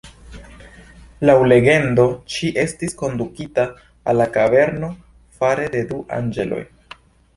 Laŭ legendo ŝi estis kondukita al la kaverno fare de du anĝeloj.